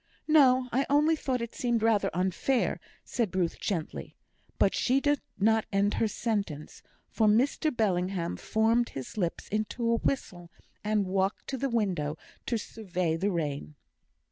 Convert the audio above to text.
"No! I only thought it seemed rather unfair " said Ruth, gently; but she did not end her sentence, for Mr Bellingham formed his lips into a whistle, and walked to the window to survey the rain.